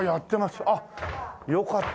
あっよかった。